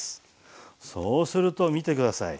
そうすると見て下さい。